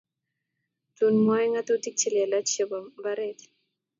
tun mwaei ngatutik chelelach chebo mbaret